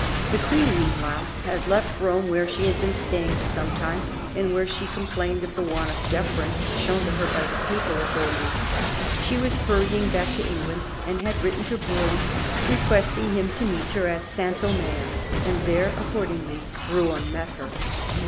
The Queen, meanwhile, had left Rome, where she had been staying for some time and where she complained of the want of deference shown to her by the Papal authorities. She was hurrying back to England, and had written to Brougham requesting him to meet her at Saint Omer, and there accordingly Brougham met her.